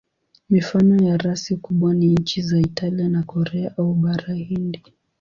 Mifano ya rasi kubwa ni nchi za Italia na Korea au Bara Hindi.